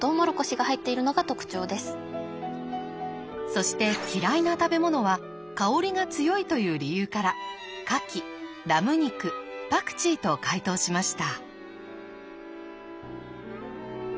そして嫌いな食べ物は香りが強いという理由から牡蠣ラム肉パクチーと解答しました。